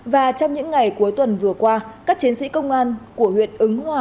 và trong những ngày cuối tuần vừa qua các chiến sĩ công an của huyện ứng hòa